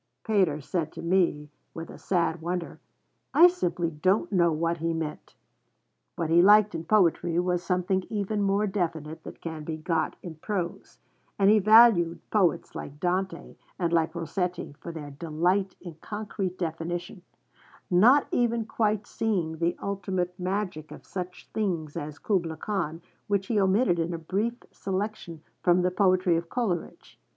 Pater said to me, with a sad wonder, 'I simply don't know what he meant.' What he liked in poetry was something even more definite than can be got in prose; and he valued poets like Dante and like Rossetti for their 'delight in concrete definition,' not even quite seeing the ultimate magic of such things as Kubla Khan, which he omitted in a brief selection from the poetry of Coleridge.